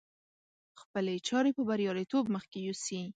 خپلې چارې په برياليتوب مخکې يوسي.